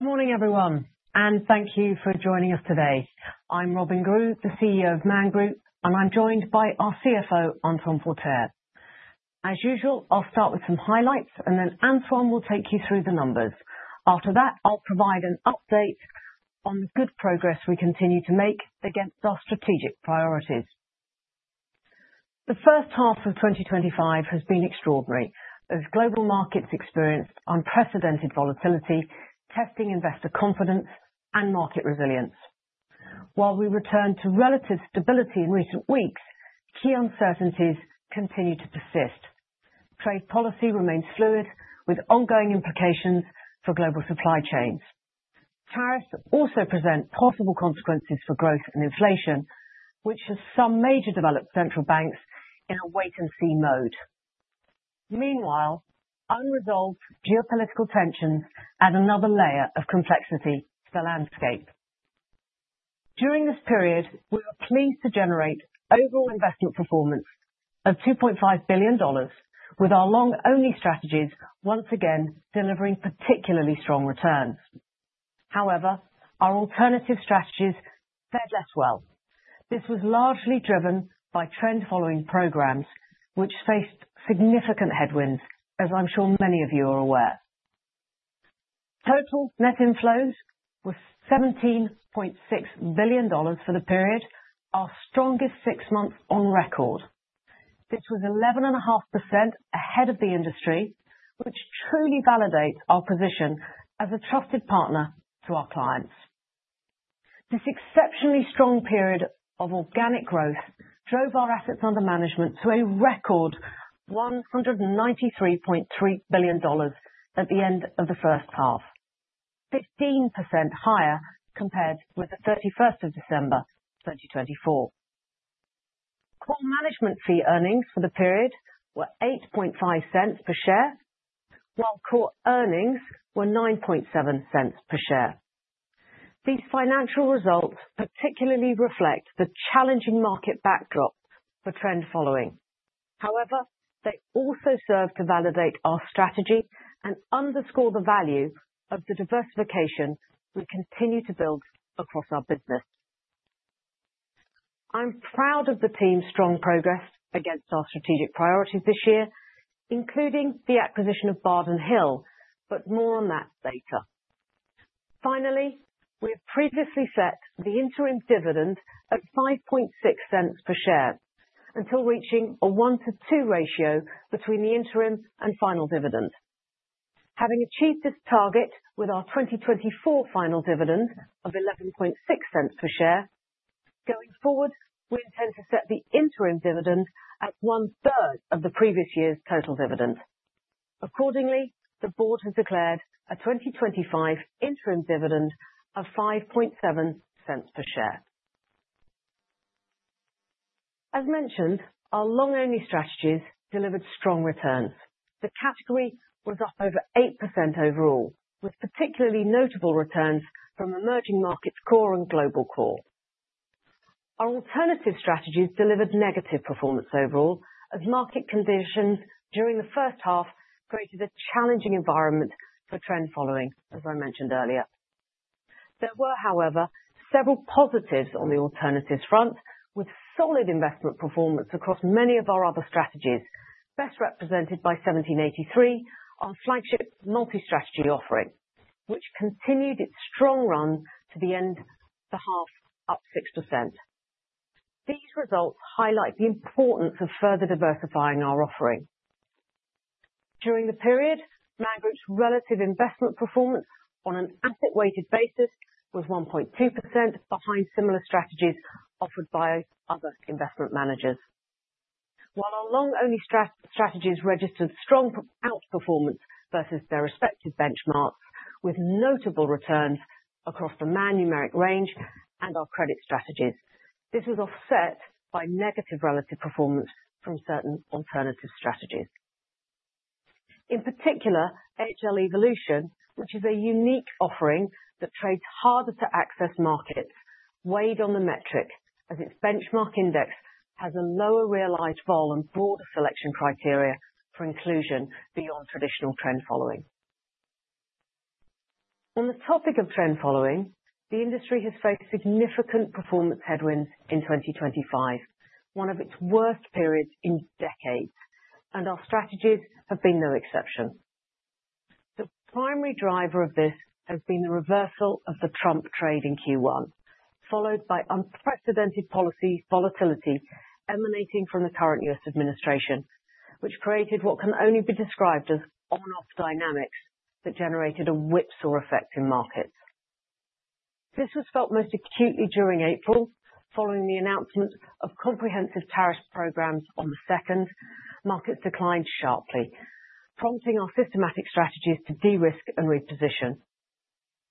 Morning everyone and thank you for joining us today. I'm Robyn Grew, the CEO of Man Group, and I'm joined by our CFO Antoine Forterre. As usual, I'll start with some highlights and then Antoine will take you through the numbers. After that, I'll provide an update on the good progress we continue to make against our strategic priorities. The first half of 2025 has been extraordinary as global markets experienced unprecedented volatility, testing investor confidence and market resilience. While we return to relative stability in recent weeks, key uncertainties continue to persist. Trade policy remains fluid with ongoing implications for global supply chains. Tariffs also present possible consequences for growth and inflation, which has some major developed central banks in a wait and see mode. Meanwhile, unresolved geopolitical tensions add another layer of complexity to the landscape. During this period, we are pleased to generate overall investment performance of $2.5 billion, with our long-only strategies once again delivering particularly strong returns. However, our alternative strategies fared less well. This was largely driven by trend-following programs which faced significant headwinds. As I'm sure many of you are aware, total net inflows were $17.6 billion for the period, our strongest six months on record. This was 11.5% ahead of the industry, which truly validates our position as a trusted partner to our clients. This exceptionally strong period of organic growth drove our assets under management to a record $193.3 billion at the end of the first half, 15% higher compared with 31 December 2024. Core management fee earnings for the period were $0.085 per share, while core earnings were $0.097 per share. These financial results particularly reflect the challenging market backdrop for trend-following. However, they also serve to validate our strategy and underscore the value of the diversification we continue to build across our business. I'm proud of the team's strong progress against our strategic priorities this year, including the acquisition of Bardin Hill, but more on that later. Finally, we have previously set the interim dividend at $0.056 per share until reaching a 1 to 2 ratio between the interim and final dividend. Having achieved this target with our 2024 final dividend of $0.116 per share, going forward, we intend to set the interim dividend at one third of the previous year's total dividend. Accordingly, the Board has declared a 2025 interim dividend of $0.057 per share. As mentioned, our long-only strategies delivered strong returns. The category was up over 8% overall, with particularly notable returns from emerging markets core and global core. Our alternative strategies delivered negative performance overall as market conditions during the first half created a challenging environment for trend-following. As I mentioned earlier, there were however several positives on the alternatives front with solid investment performance across many of our other strategies, best represented by Man Strategy 1783, our flagship multi-strategy offering which continued its strong run to the end of the half, up 6%. These results highlight the importance of further diversifying our offering. During the period, Man Group's relative investment performance on an asset-weighted basis was 1.2% behind similar strategies offered by other investment managers, while our long-only strategies registered strong performance versus their respective benchmarks with notable returns across the Man numeric range and our credit strategies. This was offset by negative relative performance from certain alternative strategies, in particular AHL Evolution, which is a unique offering that trades harder to access markets, weighed on the metric as its benchmark index has a lower realized volume and broader selection criteria for inclusion beyond traditional trend-following. On the topic of trend following, the industry has faced significant performance headwinds in 2025, one of its worst periods in decades, and our strategies have been no exception. The primary driver of this has been the reversal of the Trump trade in Q1, followed by unprecedented policy volatility emanating from the current U.S. administration, which created what can only be described as on-off dynamics that generated a whipsaw effect in markets. This was felt most acutely during April following the announcement of comprehensive tariff programs. On the second, markets declined sharply, prompting our systematic strategies to de-risk and reposition.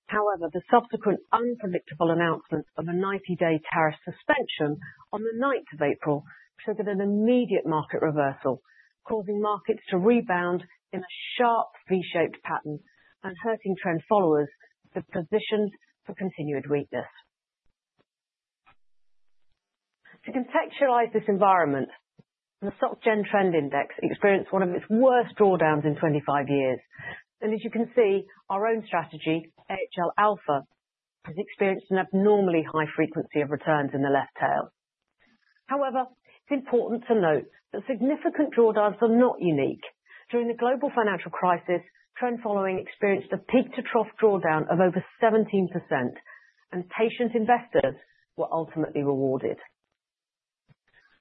However, the subsequent unpredictable announcement of a 90-day tariff suspension on the 9th of April presented an immediate market reversal, causing markets to rebound in a sharp V-shaped pattern and hurting trend followers positioned for continued weakness. To contextualize this environment, the Soc Gen Trend Index experienced one of its worst drawdowns in 25 years, and as you can see, our own strategy AHL Alpha has experienced an abnormally high frequency of returns in the left tail. However, it's important to note that significant drawdowns are not unique. During the global financial crisis, trend following experienced a peak-to-trough drawdown of over 17%, and patient investors were ultimately rewarded.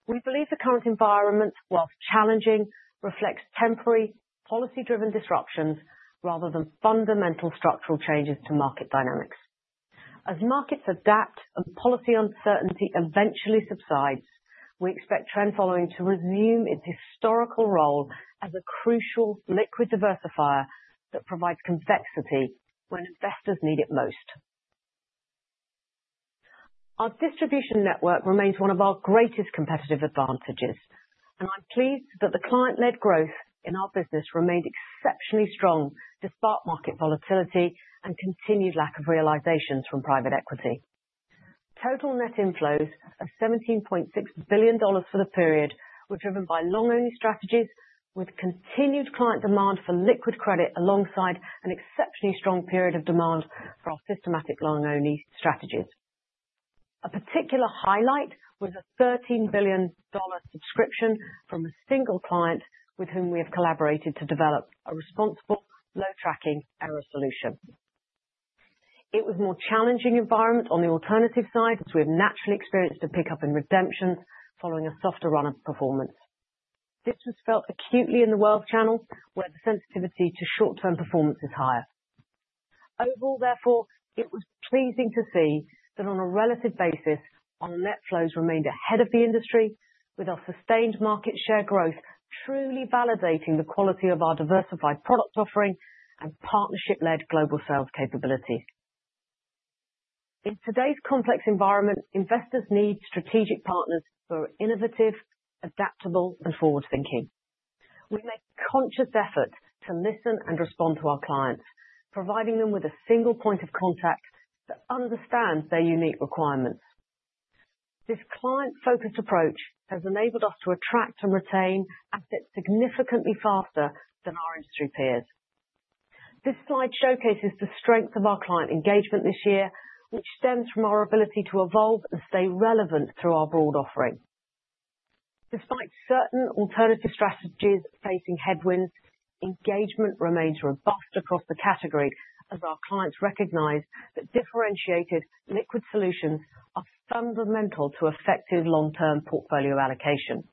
We believe the current environment, whilst challenging, reflects temporary policy-driven disruptions rather than fundamental structural changes to market dynamics. As markets adapt and policy uncertainty eventually subsides, we expect trend following to resume its historical role as a crucial liquid diversifier that provides convexity when investors need it most. Our distribution network remains one of our greatest competitive advantages, and I'm pleased that the client-led growth in our business remained exceptionally strong despite market volatility and continued lack of realizations from private equity. Total net inflows of $17.6 billion for the period were driven by long-only strategies, with continued client demand for liquid credit alongside an exceptionally strong period of demand for our systematic long-only strategies. A particular highlight was a $13 billion subscription from a single client with whom we have collaborated to develop a responsible load tracking solution. It was a more challenging environment on the alternative side as we have naturally experienced a pickup in redemptions following a softer run of performance. This was felt acutely in the wealth channel where the sensitivity to short-term performance is higher overall. Therefore, it was pleasing to see that on a relative basis our net flows remained ahead of the industry, with our sustained market share growth truly validating the quality of our diversified product offering and partnership-led global sales capabilities. In today's complex environment, investors need strategic partners who are innovative, adaptable, and forward-thinking. We make conscious efforts to listen and respond to our clients, providing them with a single point of contact to understand their unique requirements. This client-focused approach has enabled us to attract and retain assets significantly faster than our industry peers. This slide showcases the strength of our client engagement this year, which stems from our ability to evolve and stay relevant through our broad offering despite certain alternative strategies facing headwinds. Engagement remains robust across the category as our clients recognize that differentiated liquid solutions are fundamental to effective long-term portfolio allocation.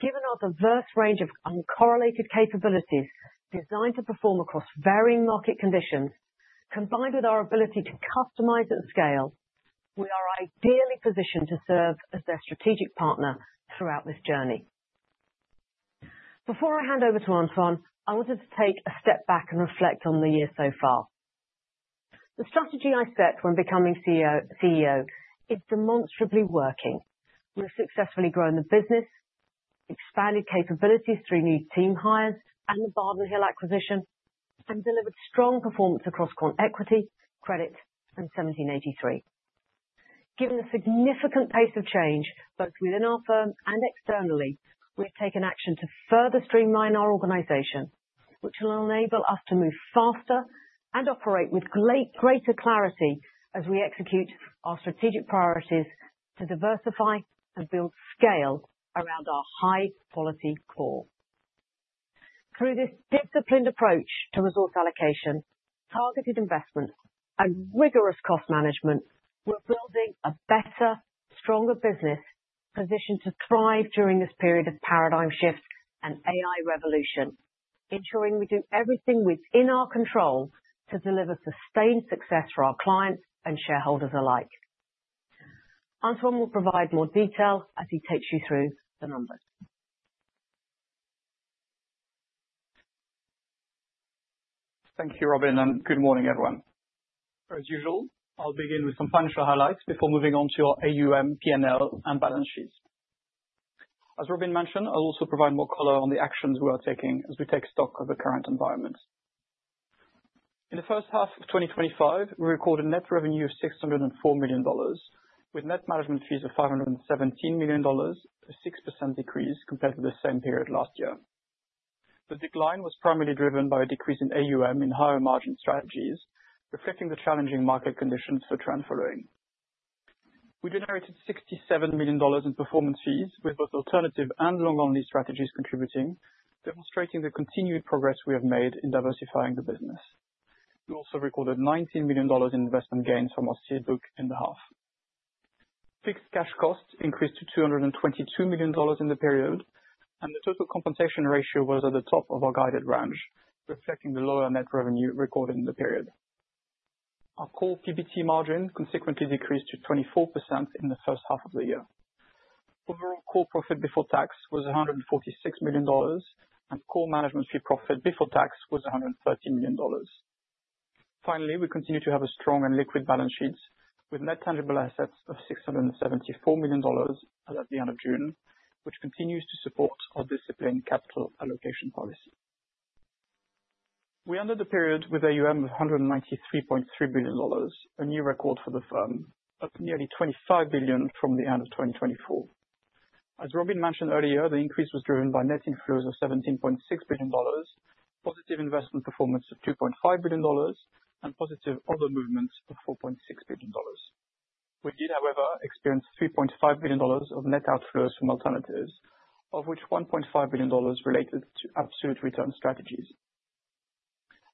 Given our diverse range of uncorrelated capabilities designed to perform across varying market conditions, combined with our ability to customize at scale, we are ideally positioned to serve as their strategic partner throughout this journey. Before I hand over to Antoine, I wanted to take a step back and reflect on the year so far. The strategy I set when becoming CEO is demonstrably working. We've successfully grown the business, expanded capabilities through new team hires and the Bardin Hill acquisition, and delivered strong performance across quant equity, credit, and 1783. Given the significant pace of change both within our firm and externally, we've taken action to further streamline our organization, which will enable us to move faster and operate with greater clarity as we execute our strategic priorities to diversify and build scale around our high-quality core. Through this disciplined approach to resource allocation, targeted investments, and rigorous cost management, we're building a better, stronger business positioned to thrive during this period of paradigm shift and AI revolution, ensuring we do everything within our control to deliver sustained success for our clients and shareholders alike. Antoine will provide more detail as he takes you through the numbers. Thank you Robyn and good morning everyone. As usual, I'll begin with some financial highlights before moving on to our AUM, P&L, and balance sheets. As Robyn mentioned, I'll also provide more color on the actions we are taking as we take stock of the current environment. In the first half of 2025, we recorded net revenue of $604 million with net management fees of $517 million, a 6% decrease compared to the same period last year. The decline was primarily driven by a decrease in AUM in higher margin strategies, reflecting the challenging market conditions for trend-following. We generated $67 million in performance fees with both alternative and long-only strategies contributing, demonstrating the continued progress we have made in diversifying the business. We also recorded $19 million in investment gains from our seed book in the half. Fixed cash costs increased to $222 million in the period, and the total compensation ratio was at the top of our guided range, reflecting the lower net revenue recorded in the period. Our core PBT margin consequently decreased to 24% in the first half of the year. Overall core profit before tax was $146 million, and core management fee profit before tax was $113 million. Finally, we continue to have a strong and liquid balance sheet with net tangible assets of $674 million as at the end of June, which continues to support our disciplined capital allocation policy. We ended the period with AUM of $193.3 billion, a new record for the firm, up nearly $25 billion from the end of 2024. As Robyn mentioned earlier, the increase was driven by net inflows of $17.6 billion, positive investment performance of $2.5 billion, and positive other movements of $4.6 billion. We did, however, experience $3.5 billion of net outflows from alternatives, of which $1.5 billion related to absolute return strategies.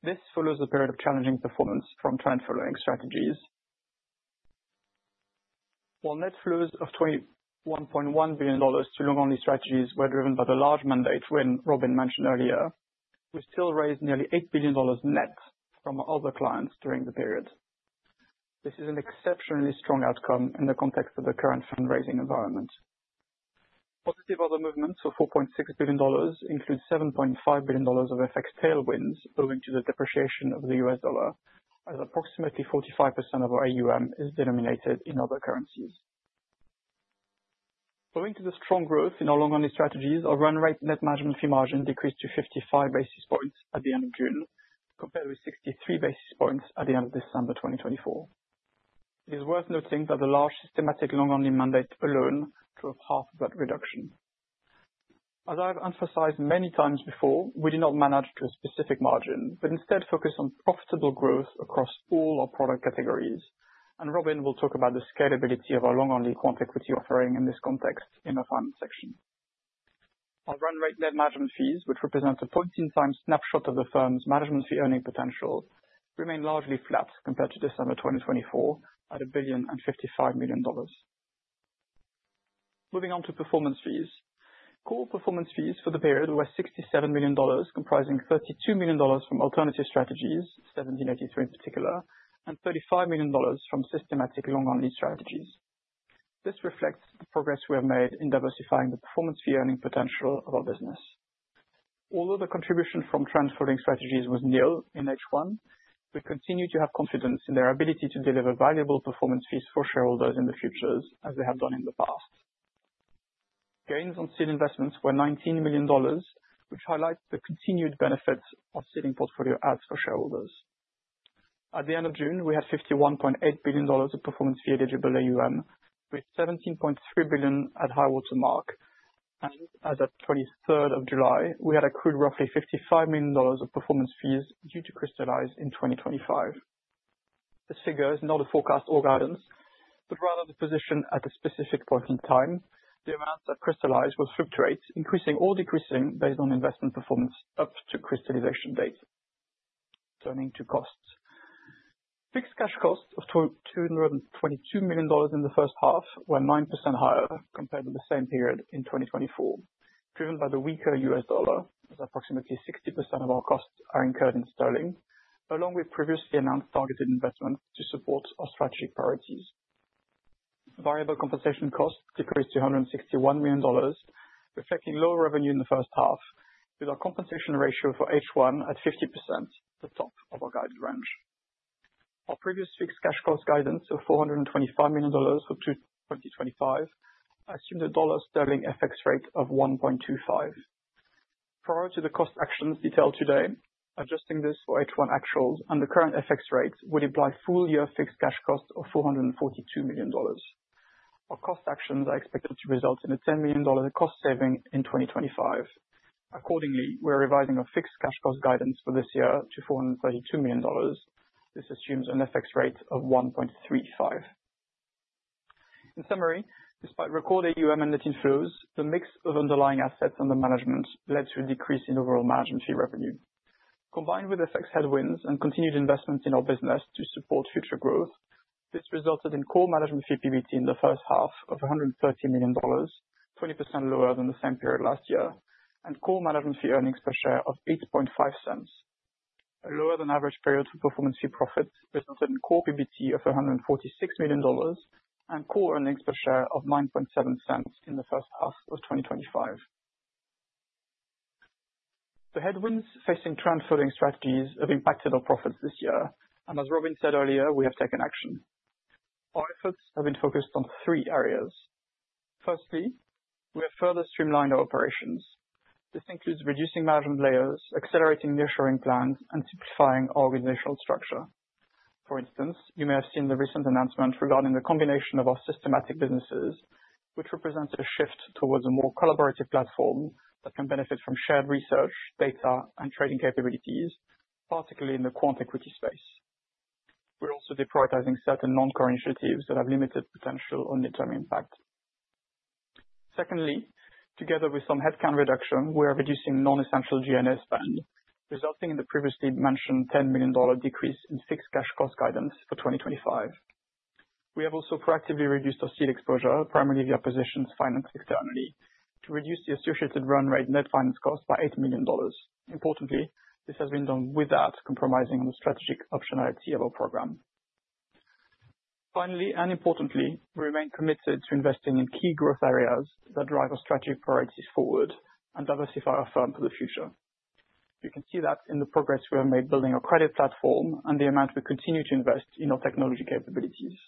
This follows a period of challenging performance from trend-following strategies, while net flows of $21.1 billion to long-only strategies were driven by the large mandate. When Robyn mentioned earlier, we still raised nearly $8 billion net from our other clients during the period. This is an exceptionally strong outcome in the context of the current fundraising environment. Positive other movements of $4.6 billion include $7.5 billion of FX tailwinds owing to the depreciation of the U.S. dollar, as approximately 45% of our AUM is denominated in other currencies. Following the strong growth in our long-only strategies, our run rate net management fee margin decreased to 55 basis points at the end of June, compared with 63 basis points at the end of December 2024. It is worth noting that the large systematic long-only mandate alone drove half of that reduction. As I have emphasized many times before, we do not manage to a specific margin, but instead focus on profitable growth across all our product categories. Robyn will talk about the scalability of our long-only quant equity offering in this context in our Finance section. Our run rate net management fees, which represent a point-in-time snapshot of the firm's management fee earning potential, remain largely flat compared to December 2024 at $1,055,000,000. Moving on to performance fees, core performance fees for the period were $67 million, comprising $32 million from Alternative Strategies 783 in particular, and $35 million from systematic long-only strategies. This reflects the progress we have made in diversifying the performance fee earning potential of our business. Although the contribution from trend-following strategies was nil in H1, we continue to have confidence in their ability to deliver valuable performance fees for shareholders in the future, as they have done in the past. Gains on seed investments were $19 million, which highlights the continued benefits of seeding portfolio adds for shareholders. At the end of June, we had $51.8 billion of performance fee eligible AUM, with $17.3 billion at high water mark, and as of July 23 we had accrued roughly $55 million of performance fees due to crystallize in 2025. This figure is not a forecast or guidance, but rather the position at a specific point in time. The amounts that crystallize will fluctuate, increasing or decreasing based on investment performance up to the crystallization date. Turning to costs, fixed cash cost of $222 million in the first half were 9% higher compared to the same period in 2024, driven by the weaker U.S. dollar as approximately 60% of our costs are incurred in sterling, along with previously announced targeted investments to support our strategic priorities. Variable compensation cost decreased to $161 million, reflecting lower revenue in the first half, with our compensation ratio for H1 at 50%, the top of our guided range. Our previous fixed cash cost guidance of $425 million for 2025 assumed a dollar-sterling FX rate of 1.25 prior to the cost actions detailed today. Adjusting this for H1 actuals and the current FX rate would imply full year fixed cash cost of $442 million. Our cost actions are expected to result in a $10 million cost saving in 2025. Accordingly, we are revising our fixed cash cost guidance for this year to $432 million. This assumes an FX rate of 1.35. In summary, despite record AUM and net inflows, the mix of underlying assets under management led to a decrease in overall management fee revenue, combined with FX headwinds and continued investments in our business to support future growth. This resulted in core management fee profit before tax in the first half of $130 million, 20% lower than the same period last year, and core management fee earnings per share of $0.085. A lower than average period for performance fee profit resulted in core EBITDA of $146 million and core earnings per share of $0.097 in the first half of 2025. The headwinds facing trend-following strategies have impacted our profits this year, and as Robyn said earlier, we have taken action. Our efforts have been focused on three areas. Firstly, we have further streamlined our operations. This includes reducing management layers, accelerating near-shoring plans, and simplifying our organizational structure. For instance, you may have seen the recent announcement regarding the combination of our systematic businesses, which represents a shift towards a more collaborative platform that can benefit from shared research, data, and trading capabilities, particularly in the quant equity space. We're also deprioritizing certain non-core initiatives that have limited potential or near-term impact. Secondly, together with some headcount reduction, we are reducing non-essential G&A spend, resulting in the previously mentioned $10 million decrease in fixed cash cost guidance for 2025. We have also proactively reduced our seed exposure, primarily via positions financed externally, to reduce the associated run rate net finance cost by $8 million. Importantly, this has been done without compromising the strategic optionality of our program. Finally, and importantly, we remain committed to investing in key growth areas that drive our strategic priorities forward and diversify our firm for the future. You can see that in the progress we have made building our credit platform and the amount we continue to invest in our technology capabilities.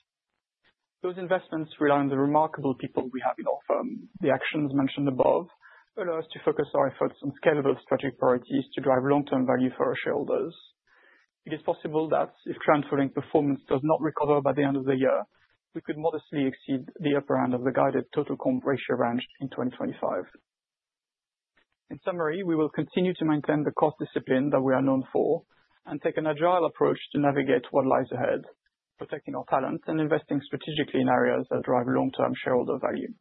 Those investments rely on the remarkable people we have in our firm. The actions mentioned above allow us to focus our efforts on scalable strategic priorities to drive long-term value for our shareholders. It is possible that if client funding performance does not recover by the end of the year, we could modestly exceed the upper end of the guided total comp ratio range in 2025. In summary, we will continue to maintain the cost discipline that we are known for and take an agile approach to navigate what lies ahead, protecting our talent and investing strategically in areas that drive long-term shareholder value.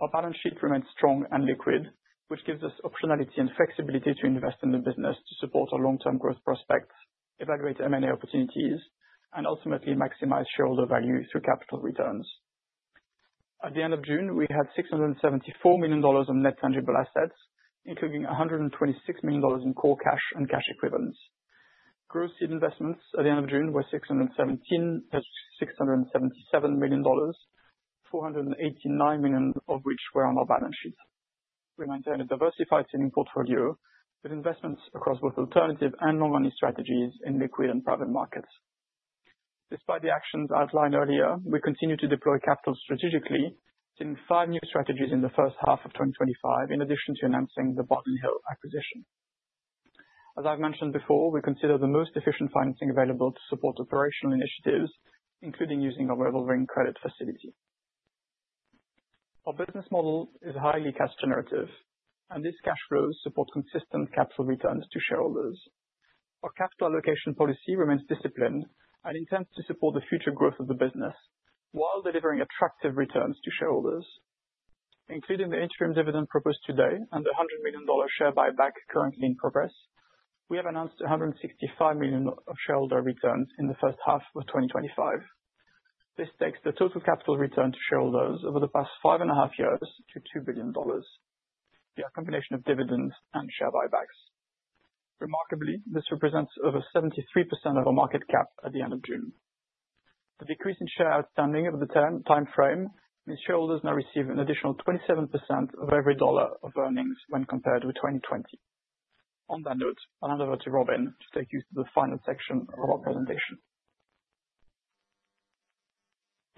Our balance sheet remains strong and liquid, which gives us optionality and flexibility to invest in the business to support our long-term growth prospects, evaluate M&A opportunities, and ultimately maximize shareholder value through capital returns. At the end of June, we had $674 million of net tangible assets, including $126 million in core cash and cash equivalents. Gross seed investments at the end of June were $677 million, $489 million of which were on our balance sheet. We maintain a diversified seeding portfolio with investments across both alternative and long-running strategies in liquid and private markets. Despite the actions outlined earlier, we continue to deploy capital strategically in five new strategies in the first half of 2025. In addition to announcing the Bardin Hill acquisition, as I've mentioned before, we consider the most efficient financing available to support operational initiatives, including using our revolver credit facility. Our business model is highly cash generative, and these cash flows support consistent capital returns to shareholders. Our capital allocation policy remains disciplined and intends to support the future growth of the business while delivering attractive returns to shareholders, including the interim dividend proposed today and the $100 million share buyback currently in progress. We have announced $165 million of shareholder returns in the first half of 2025. This takes the total capital return to shareholders over the past five and a half years to $2 billion via a combination of dividends and share buybacks. Remarkably, this represents over 73% of our market cap at the end of June. The decrease in shares outstanding over the time frame means shareholders now receive an additional 27% of every dollar of earnings when compared with 2020. On that note, I'll hand over to Robyn to take you through the final section of our presentation.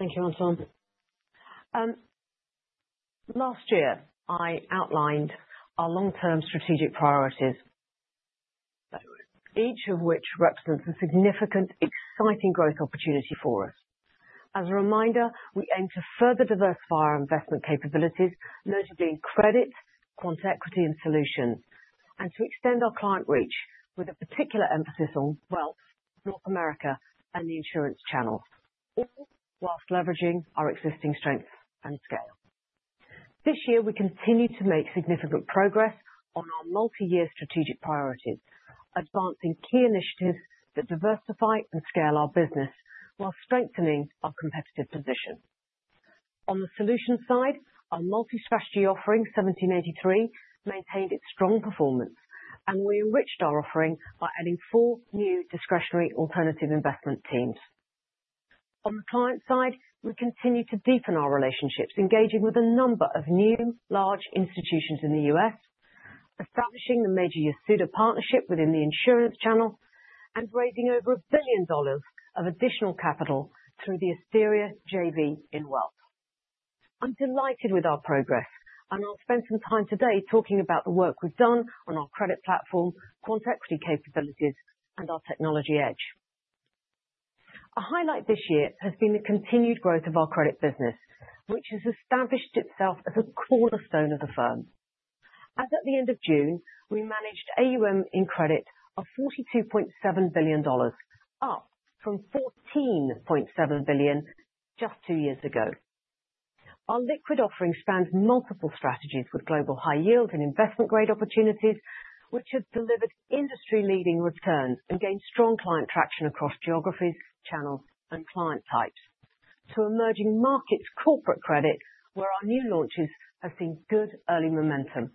Thank you, Antoine. Last year I outlined our long-term strategic priorities, each of which represents a significant, exciting growth opportunity for us. As a reminder, we aim to further diversify our investment capabilities, notably in credit, quant, equity, and solutions, and to extend our client reach with a particular emphasis on wealth, North America, and the insurance channels, all whilst leveraging our existing strength and scale. This year we continue to make significant progress on our multi-year strategic priorities, advancing key initiatives that diversify and scale our business while strengthening our competitive position. On the solutions side, our multi-strategy offering Man Strategy 1783 maintained its strong performance, and we enriched our offering by adding four new discretionary alternative investment teams. On the client side, we continue to deepen our relationships, engaging with a number of new large institutions in the U.S., establishing the major Yasuda Partnership within the insurance channel, and raising over $1 billion of additional capital through the Asteria JV in wealth. I'm delighted with our progress, and I'll spend some time today talking about the work we've done on our credit platform, quant equity capabilities, and our technology edge. A highlight this year has been the continued growth of our credit business, which has established itself as a cornerstone of the firm. As at the end of June, we managed AUM in credit of $42.7 billion, up from $14.7 billion just two years ago. Our liquid offering spans multiple strategies, with global high yield and investment grade opportunities, which has delivered industry-leading returns and gained strong client traction across geographies, channels, and client types, to emerging markets corporate credit, where our new launches have seen good early momentum.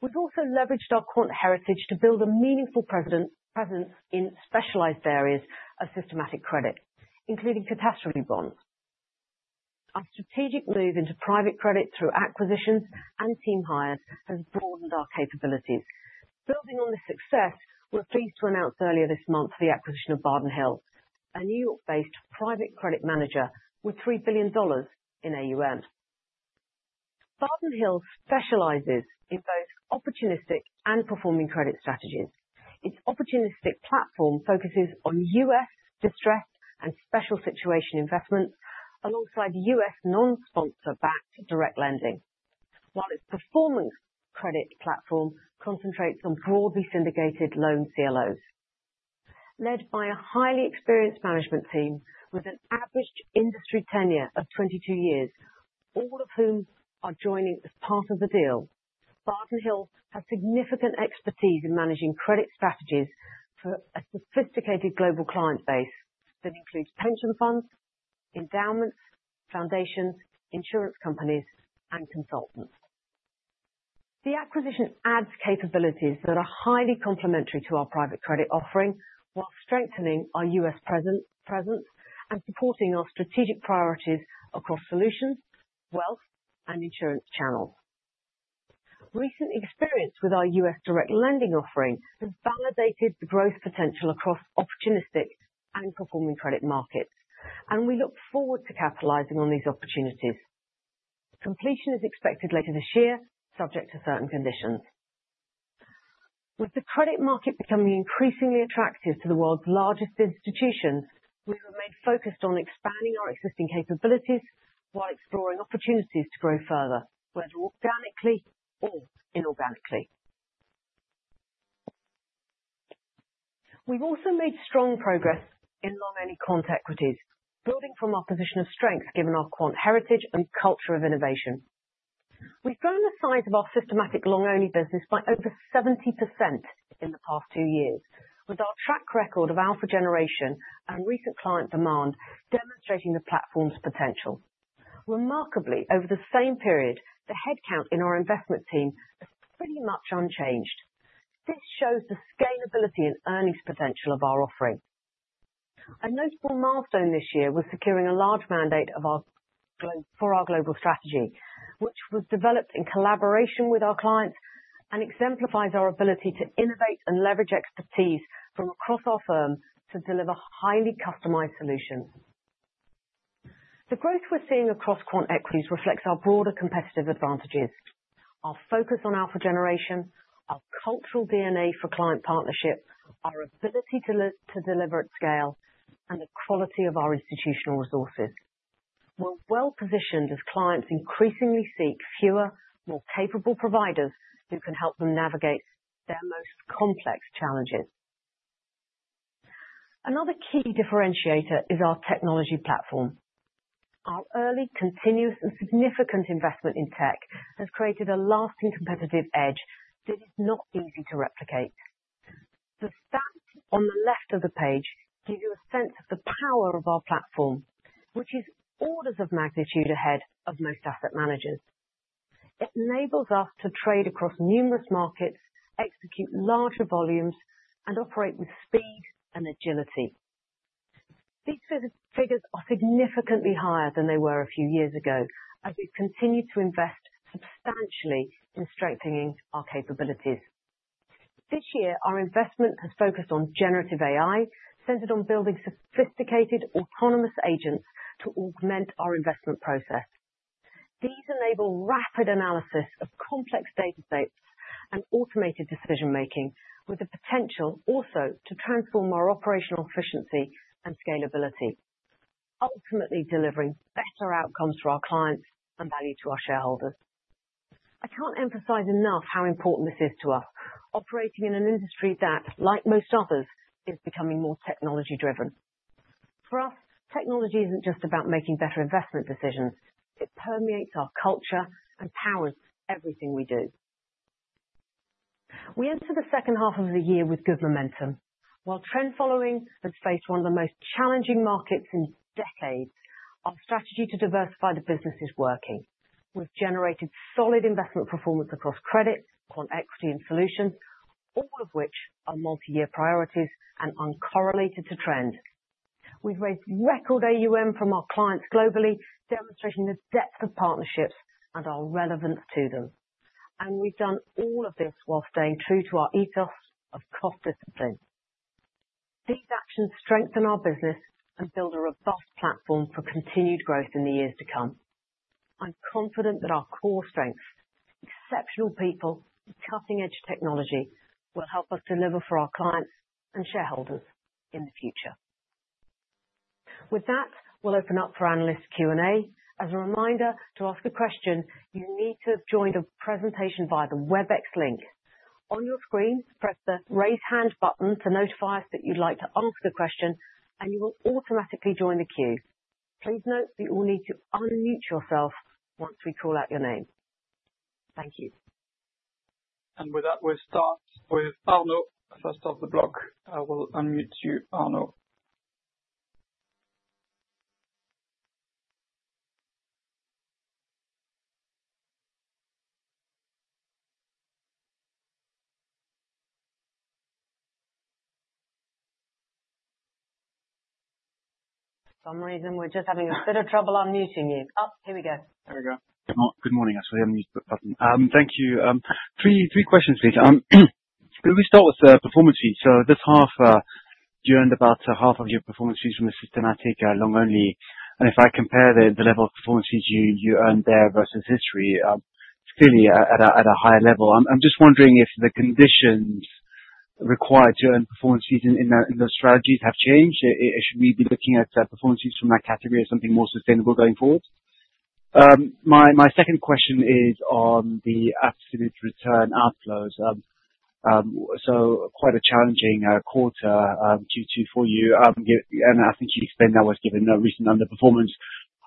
We've also leveraged our quant heritage to build a meaningful presence in specialized areas of systematic credit, including catastrophe bonds. Our strategic move into private credit through acquisitions and team hires has broadened our capabilities. Building on this success, we're pleased to announce earlier this month the acquisition of Bardin Hill, a New York-based private credit manager with $3 billion in AUM. Bardin Hill specializes in both opportunistic and performing credit strategies. Its opportunistic platform focuses on U.S. distressed and special situation investments alongside U.S. non-sponsor backed direct lending, while its performance credit platform concentrates on broadly syndicated loan CLOs led by a highly experienced management team with an average industry tenure of 22 years, all of whom are joining as part of the deal. Bardin Hill has significant expertise in managing credit strategies for a sophisticated global client base that includes pension funds, endowments, foundations, insurance companies, and consultants. The acquisition adds capabilities that are highly complementary to our private credit offering while strengthening our U.S. presence and supporting our strategic priorities across solutions, wealth, and insurance channels. Recent experience with our U.S. direct lending offering has validated the growth potential across opportunistic performing credit markets, and we look forward to capitalizing on these opportunities. Completion is expected later this year, subject to certain conditions. With the credit market becoming increasingly attractive to the world's largest institutions, we remain focused on expanding our existing capabilities while exploring opportunities to grow further, whether organically or inorganically. We've also made strong progress in long-only quant equities, building from our position of strength given our quant heritage and culture of innovation. We've grown the size of our systematic long-only business by over 70% in the past two years, with our track record of alpha generation and recent client demand demonstrating the platform's potential. Remarkably, over the same period, the headcount in our investment team appears pretty much unchanged. This shows the scalability and earnings potential of our offering. A notable milestone this year was securing a large mandate for our global core strategy, which was developed in collaboration with our clients and exemplifies our ability to innovate and leverage expertise from across our firm to deliver highly customized solutions. The growth we're seeing across quant equities reflects our broader competitive advantages, our focus on alpha generation, our cultural DNA for client partnership, our ability to deliver at scale, and the quality of our institutional resources. We're well positioned as clients increasingly seek fewer, more capable providers who can help them navigate their most complex challenges. Another key differentiator is our technology platform. Our early, continuous, and significant investment in tech has created a lasting competitive edge that is not easy to replicate. The stats on the left of the page give you a sense of the power of our platform, which is orders of magnitude ahead of most asset managers. It enables us to trade across numerous markets, execute larger volumes, and operate with speed and agility. These figures are significantly higher than they were a few years ago as we continue to invest substantially in strengthening our capabilities. This year, our investment has focused on generative AI, centered on building sophisticated autonomous agents to augment our investment process. These enable rapid analysis of complex data sets and automated decision making, with the potential also to transform our operational efficiency and scalability, ultimately delivering better outcomes for our clients and value to our shareholders. I can't emphasize enough how important this is to us, operating in an industry that, like most others, is becoming more technology driven. For us, technology isn't just about making better investment decisions. It permeates our culture and powers everything we do. We enter the second half of the year with good momentum. While trend-following has faced one of the most challenging markets in decades, our strategy to diversify the business is working. We've generated solid investment performance across credit, quant equity, and solutions, all of which are multi-year priorities and uncorrelated to trend. We've raised record AUM from our clients globally, demonstrating the depth of partnerships and our relevance to them. We have done all of this while staying true to our ethos of cost discipline. These actions strengthen our business and build a robust platform for continued growth in the years to come. I'm confident that our core strengths, exceptional people, and cutting-edge technology will help us deliver for our clients and shareholders in the future. With that, we'll open up for Analyst Q and A. As a reminder, to ask a question, you need to join the presentation via the WebEx link on your screen. Press the raise hand button to notify us that you'd like to ask a question and you will automatically join the queue. Please note that you will need to unmute yourself once we call out your name. Thank you. With that, we'll start with Arnaud, first of the block. I will unmute you, Arnaud. For some reason, we're just having a bit of trouble unmuting you. Here we go. Good morning. I saw the unmute button. Thank you. Three questions, please. We start with performance fees. This half, you earned about half of your performance fees from a systematic long-only. If I compare the level of performance fees you earned there versus history, clearly at a higher level, I'm just wondering if the conditions required to earn performance fees in those strategies have changed. Should we be looking at performance fees from that category as something more sustainable going forward? My second question is on the absolute return outflows. Quite a challenging quarter Q2 for you. I think you'd expect that was given the recent underperformance.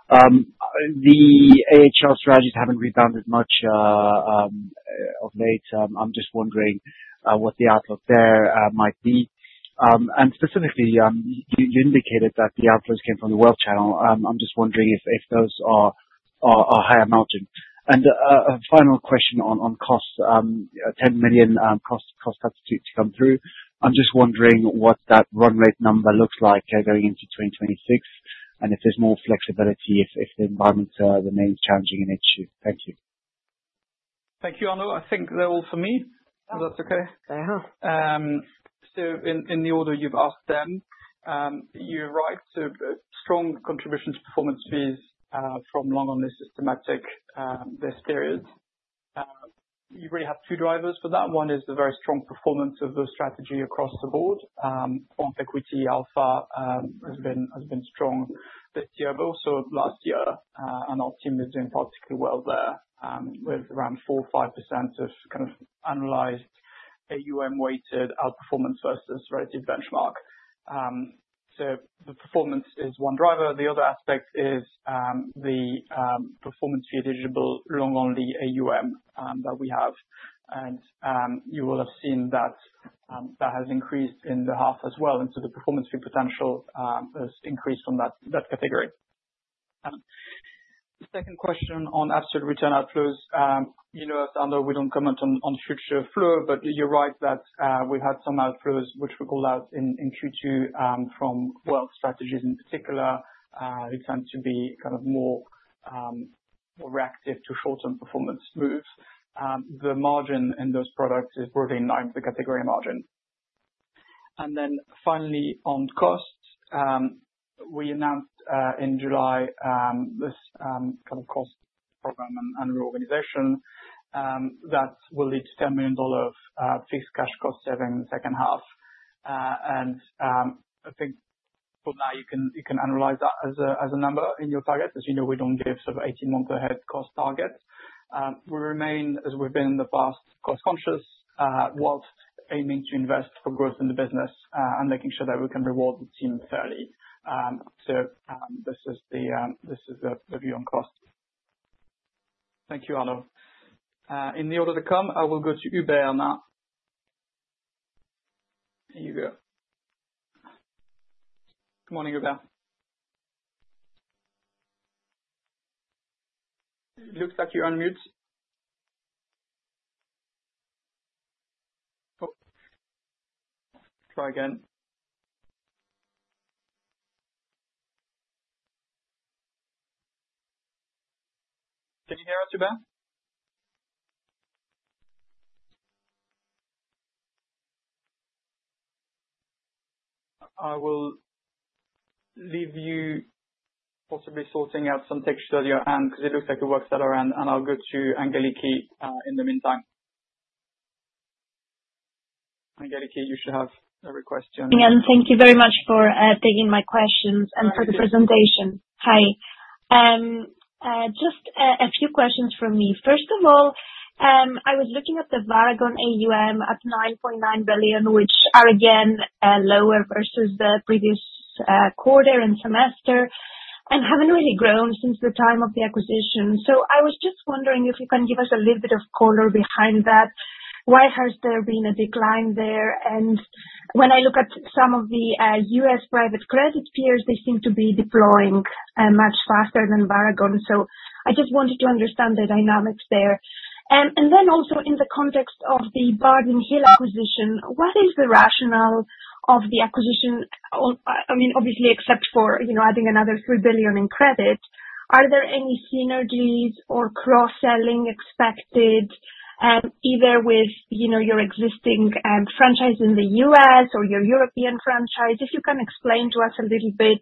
The AHL strategies haven't rebounded much of late. I'm just wondering what the outlook there might be. Specifically, you indicated that the outflows came from the wealth channel. I'm just wondering if those are higher margin. A final question on costs. $10 million cost to come through. I'm just wondering what that run rate number looks like going into 2026 and if there's more flexibility if the environment remains challenging. Thank you. Thank you, Arnaud. I think they're all for me. That's okay. In the order you've asked them, you write a strong contribution to performance fees from long-only systematic this period. You really have two drivers for that. One is the very strong performance of the strategy across the board. Equity alpha has been strong, but also last year and our team is doing particularly well there with around 4% to 5% of kind of annualized AUM weighted outperformance versus relative benchmark. The performance is one driver. The other aspect is the performance fee eligible long-only AUM that we have. You will have seen that that has increased in the half as well, and the performance fee potential has increased on that category. Second question on absolute return outflows. Sando, we don't comment on future flow, but you're right that we had some outflows which we called out in Q2 from wealth strategies in particular. They tend to be kind of more reactive to short-term performance moves. The margin in those products is broadly 9%, the category margin. Finally, on costs, we announced in July this kind of cost program and reorganization that will lead to $10 million of fixed cash cost saving in the second half. I think for now you can analyze that as a number in your target. As you know, we don't give sort of 18 months ahead cost targets. We remain, as we've been in the past, cost conscious whilst aiming to invest for growth in the business and making sure that we can reward the team fairly. This is the view on cost. Thank you, Arnaud. In the order to come, I will go to Hubert now. Here you go. Good morning, Hubert. It looks like you're on mute. Try again. Can you hear us? You better. I will leave you possibly sorting out some textures at your end because it looks like it works at our end. I'll go to Angeliki in the meantime. Angeliki, you should have every question and. Thank you very much for taking my questions and for the presentation. Hi, just a few questions from me. First of all, I was looking at the Varagon AUM at $9.9 billion, which are again lower versus the previous quarter and semester and haven't really grown since the time of the acquisition. I was just wondering if you can give us a little bit of color behind that, why has there been a decline there? When I look at some of the U.S. private credit peers, they seem to be deploying much faster than Varagon. I just wanted to understand the dynamics there. Also in the context of the Bardin Hill acquisition, what is the rationale of the acquisition? I mean obviously, except for adding another $3 billion in credit, are there any synergies or cross selling expected either with your existing franchise in the U.S. or your European franchise? If you can explain to us a little bit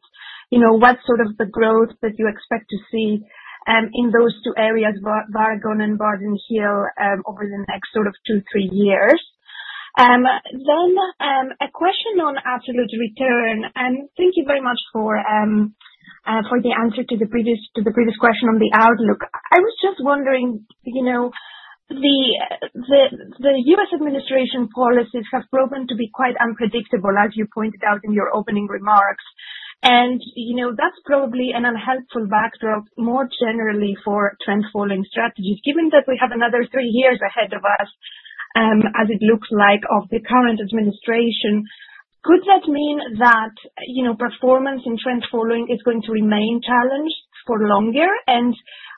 what sort of the growth that you expect to see in those two areas, Varagon and Bardin Hill, over the next two, three years. Then a question on absolute return. Thank you very much for the answer to the previous question on the outlook. I was just wondering, the U.S. administration policies have proven to be quite unpredictable, as you pointed out in your opening remarks, and that's probably an unhelpful backdrop more generally for trend-following strategies. Given that we have another three years ahead of us, as it looks like, of the current administration, could that mean that performance in trend-following is going to remain challenged for longer?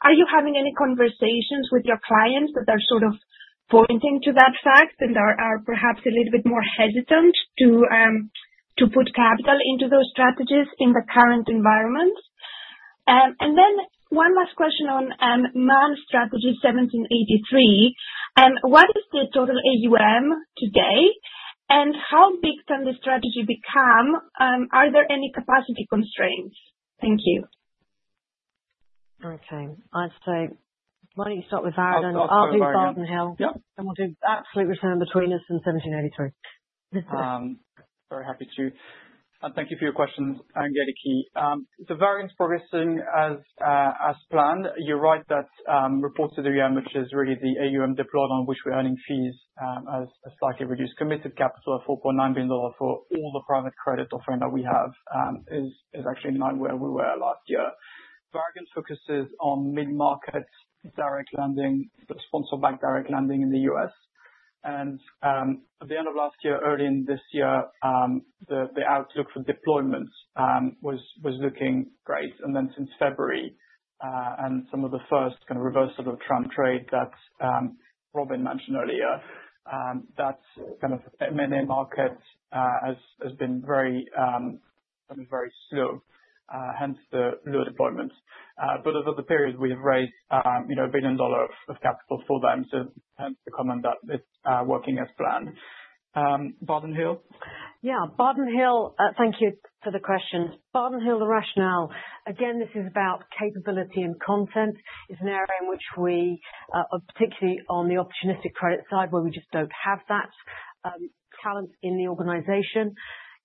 Are you having any conversations with your clients that are pointing to that fact and are perhaps a little bit more hesitant to put capital into those strategies in the current environment? One last question on Man Strategy 1783. What is the total AUM today and how big can the strategy become? Any capacity constraints? Thank you. Okay, I'd say why don't you start with Robyn Grew, Bardin Hill, and we'll do absolute return between us and Man Strategy 1783. Very happy to thank you for your questions. Angeliki, the variance progressing as planned. You're right. That report to the which is really the AUM diplomat on which we're earning fees as a slightly reduced committed capital. A $4.9 billion for all the private credit offering that we have is actually where we were last year. Varagon focuses on mid market direct lending, sponsor backed direct lending in the U.S., and at the end of last year, early in this year the outlook for deployments was looking great. Since February and some of the first kind of reversal of trend trade that Robyn mentioned earlier, that kind of M&A market has been very slow, hence the low deployment. Over the period we have raised $1 billion of capital for them, hence the comment that it's working as planned. Bardin Hill. Yeah, Bardin Hill, thank you for the question. Bardin Hill, the rationale again, this is about capability and content. It's an area in which we, particularly on the opportunistic credit side, just don't have that talent in the organization.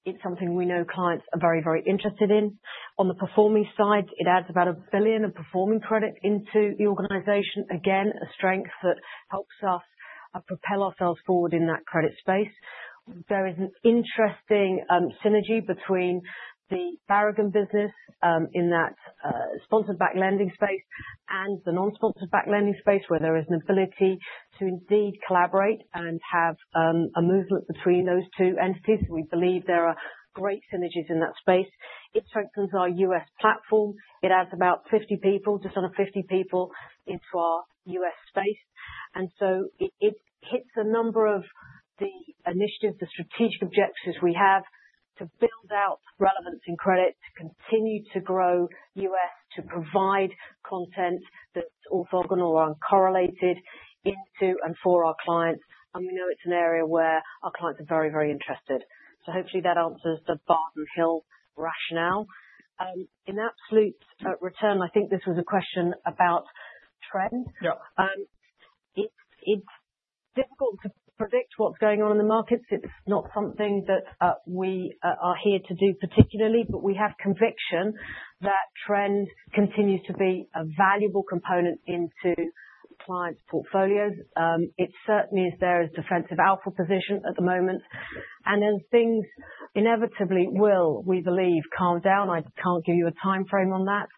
It's something we know clients are very, very interested in. On the performing side, it adds about $1 billion of performing credit into the organization. Again, a strength that helps us propel ourselves forward in that credit space. There is an interesting synergy between the Bardin business in that sponsor-backed lending space and the non-sponsor-backed lending space where there is an ability to indeed collaborate and have a movement between those two entities. We believe there are great synergies in that space. It strengthens our U.S. platform. It adds about 50 people, just under 50 people, into our U.S. space. It hits a number of the initiatives, the strategic objectives. We have to build out relevance in credit to continue to grow us, to provide content that's orthogonal or uncorrelated into and for our clients. We know it's an area where our clients are very, very interested. Hopefully that answers the Bardin Hill rationale in absolute return. I think this was a question about trend. It's difficult to predict what's going on in the markets. It's not something that we are here to do particularly, but we have conviction that trend continues to be a valuable component into clients' portfolios. It certainly is there as a defensive alpha position at the moment. Things inevitably will, we believe, calm down. I can't give you a time frame on that.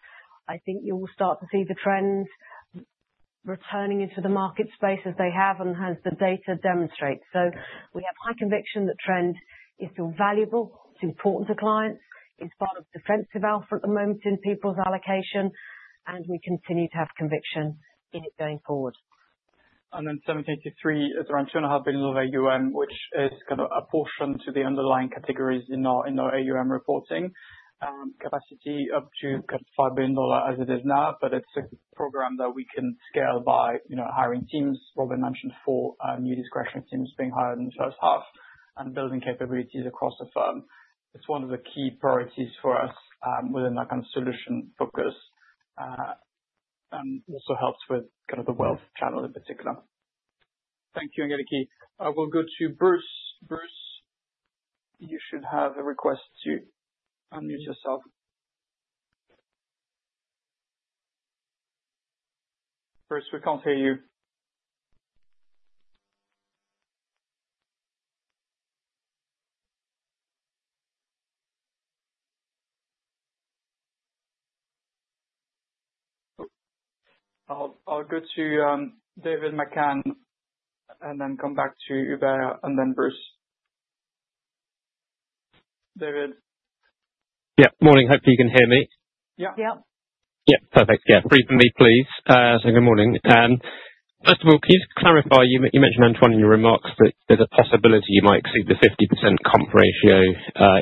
I think you will start to see the trend returning into the market space as they have and as the data demonstrate. We have high conviction that trend is still valuable. It's important to clients. It's part of defensive alpha at the moment in people's allocation, and we continue to have conviction in it going forward. Man Strategy 1783 is around $2.5 billion of AUM, which is kind of a portion to the underlying categories in our AUM reporting, capacity up to $5 billion as it is now. It is a program that we can scale by hiring teams. Robyn mentioned four new discretionary teams being hired in the first half and building capabilities across the firm. It is one of the key priorities for us within that kind of solution focus and also helps with the wealth channel in particular. Thank you, Angeliki. I will go to Bruce. Bruce, you should have a request to unmute yourself. Bruce, we can't hear you. I'll go to David McCann and then come back to Uber and then Bruce. David? Yeah, morning. Hopefully you can hear me. Yeah, perfect. Good morning. First of all, can you just clarify? You mentioned, Antoine, in your remarks that there's a possibility you might exceed the 50% comp ratio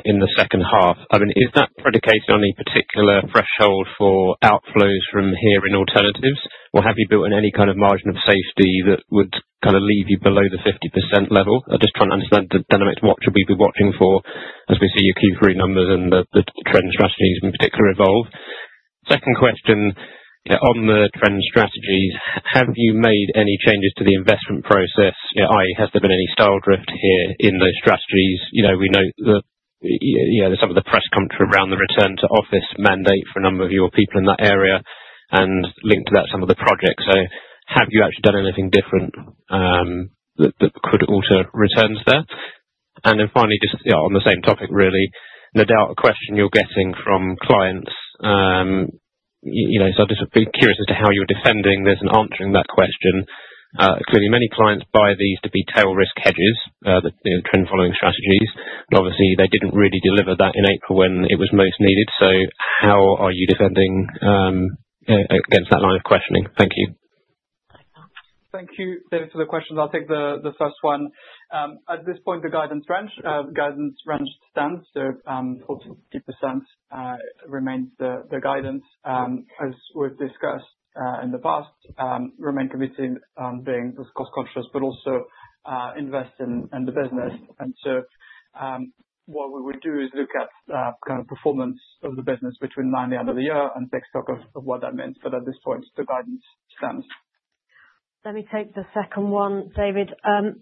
in the second half. Is that predicated on a particular threshold for outflows from here in alternatives, or have you built in any kind of margin of safety that would leave you below the 50% level? I'm just trying to understand the dynamics. What should we be watching for as we see your Q3 numbers and the trend strategies in particular evolve? Second question on the trend strategies. Have you made any changes to the investment process? Has there been any style drift here in those strategies? We know some of the press comes around the return to office mandate for a number of your people in that area and linked to that some of the projects. Have you actually done anything different that could alter returns there? Finally, just on the same topic, really, no doubt a question you're getting from clients. I'd be curious as to how you're defending this and answering that question. Clearly, many clients buy these to be tail risk hedges, trend-following strategies. Obviously, they didn't really deliver that in April when it was most needed. How are you defending against that line of questioning? Thank you. Thank you, David, for the questions. I'll take the first one. At this point, the guidance range stands. Guidance range stands. So 40% remains the guidance, as we've discussed in the past, remain committed on being cost conscious but also invest in the business. What we would do is look at kind of performance of the business between now and the end of the year and take stock of what that means. At this point, the guidance stands. Let me take the second one, David. It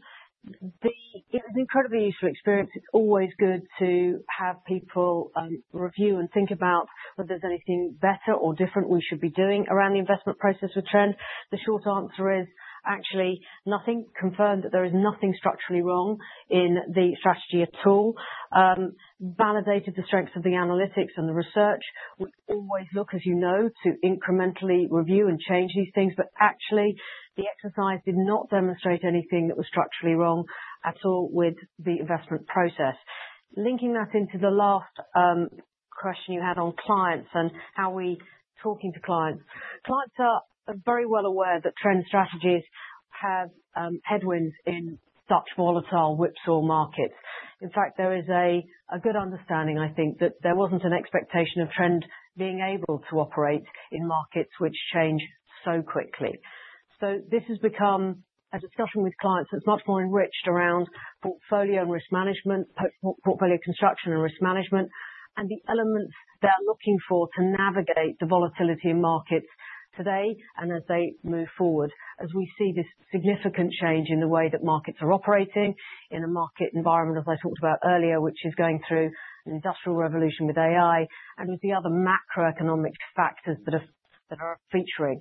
was an incredibly useful experience. It's always good to have people review and think about whether there's anything better or different we should be doing around the investment process with Trend. The short answer is actually nothing confirmed that there is nothing structurally wrong in the strategy at all. Validated the strengths of the analytics and the research. We always look, as you know, to incrementally review and change these things. Actually, the exercise did not demonstrate anything that was structurally wrong at all with the investment process. Linking that into the last question you had on clients and how are we talking to clients? Clients are very well aware that trend strategies have headwinds in such volatile whipsaw markets. In fact, there is a good understanding, I think, that there wasn't an expectation of Trend being able to operate in markets which change so quickly. This has become a discussion with clients that's much more enriched around portfolio and risk management, portfolio construction and risk management, and the elements they're looking for to navigate the volatility in markets today and as they move forward, as we see this significant change in the way that markets are operating in a market environment, as I talked about earlier, which is going through an industrial revolution with AI and with the other macroeconomic change factors that are featuring.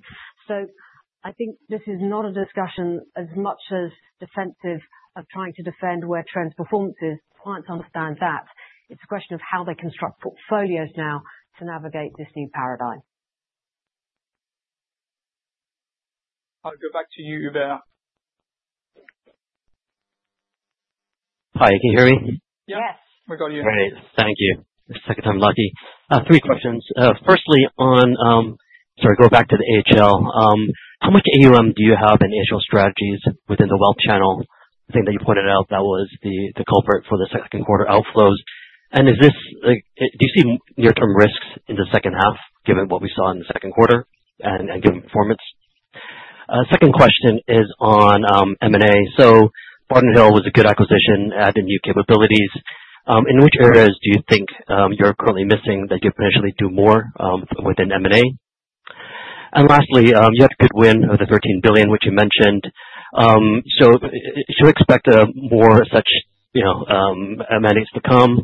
I think this is not a discussion as much as defensive of trying to defend where Trend's performance is. Clients understand that it's a question of how they construct portfolios now to navigate this new paradigm. I'll go back to you there. Hi, can you hear me? Yeah, we got you. Great, thank you. Second time lucky. Three questions. Firstly, go back to the AHL. How much AUM do you have in AHL strategies within the wealth channel? I think that you pointed out that was the culprit for the second quarter outflows. Do you see near term risks in the second half given what we saw in the second quarter and given performance? Second question is on M&A. Barton Hill was a good acquisition, added new capabilities. In which areas do you think you're currently missing that you potentially do more within M&A? Lastly, you have a good win of the $13 billion which you mentioned. Should we expect more such mandates to come?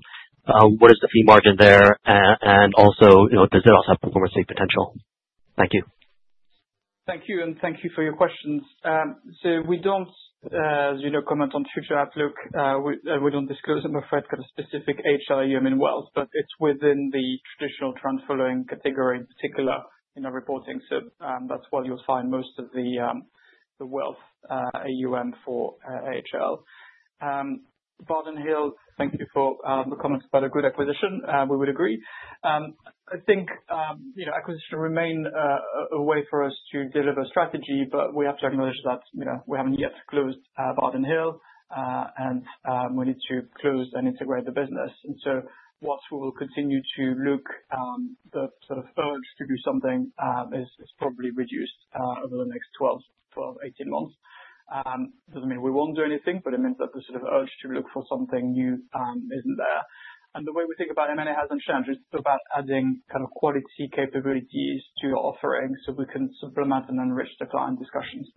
What is the fee margin there? Does it also have performance fee potential? Thank you. Thank you. And thank you for your questions. We don't comment on future outlook. We don't disclose, I'm afraid, specific AUM in wealth but it's within the traditional trend-following category in particular in our reporting. That's where you'll find most of the wealth AUM for AHL. Bardin Hill, thank you for the comments about a good acquisition. We would agree. I think acquisition remains a way for us to deliver strategy but we have to acknowledge that we haven't yet closed Bardin Hill and we need to close and integrate the business. We will continue to look. The sort of urge to do something is probably reduced over the next 12 to 18 months. It doesn't mean we won't do anything but it means that the sort of urge to look for something new isn't there. The way we think about M&A hasn't changed. It's about adding kind of quality capabilities to offer so we can supplement and enrich the client discussions.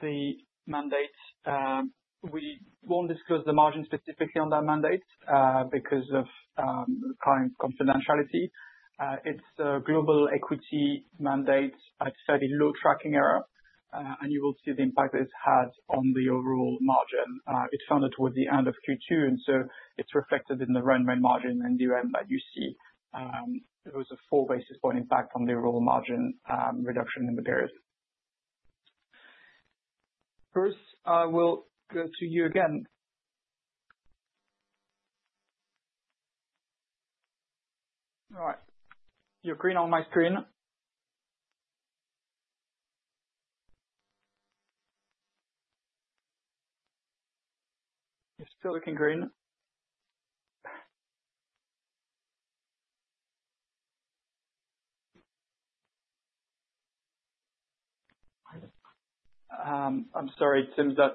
The mandate, we won't disclose the margin specifically on that mandate because of client confidentiality. It's a global equity mandate at a fairly low tracking error and you will see the impact that it had on the overall margin. It funded towards the end of Q2 and so it's reflected in the run rate margin and drawdown that you see. It was a 4 basis point impact on the overall margin reduction in the period. Bruce, I will go to you again. Right, you're green on my screen. You're still looking green. I'm sorry, it seems that's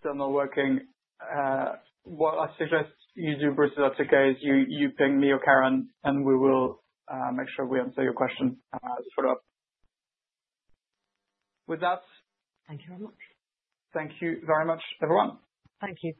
still not working. What I suggest you do, Bruce, that's okay, is you ping me or Karen and we will make sure we answer your question as a follow up with that. Thank you very much. Thank you very much, everyone. Thank you.